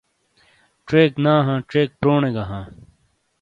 چیک نا ہاں چیک پرونے گہ ہاں۔